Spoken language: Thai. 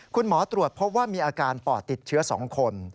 คุณหมอตรวจพบว่ามีอาการปอดติดเชื้อ๒คน